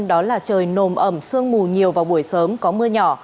đó là trời nồm ẩm sương mù nhiều vào buổi sớm có mưa nhỏ